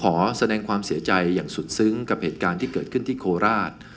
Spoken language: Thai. ขอแสดงความเสียใจอย่างสุดซึ้งกับเหตุการณ์ที่เกิดขึ้นที่โคราช